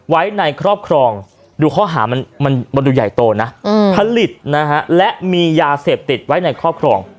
ไว้ในครอบครองดูข้อหามันดูใหญ่โตนะผลิตนะฮะและมียาเสพติดไว้ในครอบครอง